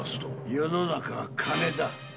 世の中は金だ。